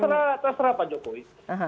terserah pak jokowi